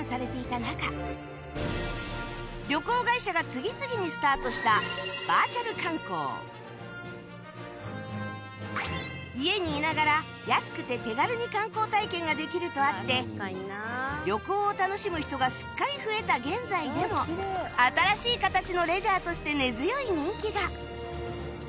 旅行会社が次々にスタートした家にいながら安くて手軽に観光体験ができるとあって旅行を楽しむ人がすっかり増えた現在でも新しい形のレジャーとして根強い人気が